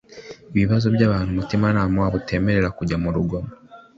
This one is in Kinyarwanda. I ibibazo by abantu umutimanama wabo utemerera kujya mu rugomo